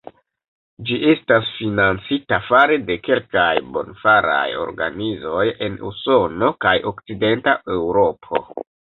Ĝi estas financita fare de kelkaj bonfaraj organizoj en Usono kaj Okcidenta Eŭropo.